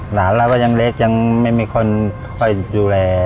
หลานเราก็ยังเล็กยังไม่มีคนคอยดูแล